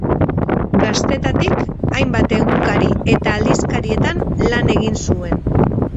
Gaztetatik hainbat egunkari eta aldizkarietan lan egin zuen.